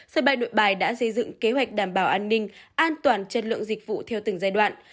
sân bay nội bài đã xây dựng kế hoạch đảm bảo an ninh an toàn chất lượng dịch vụ theo từng giai đoạn